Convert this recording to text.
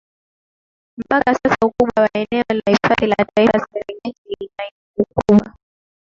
Mpaka sasa ukubwa wa eneo la hifadhi ya Taifa ya Serengeti ina ukubwa